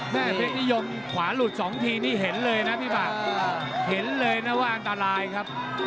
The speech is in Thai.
เพชรนิยมขวาหลุด๒ทีนี่เห็นเลยนะพี่ปากเห็นเลยนะว่าอันตรายครับ